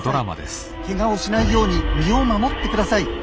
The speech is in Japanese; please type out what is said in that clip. ケガをしないように身を守ってください。